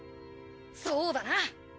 そうだな。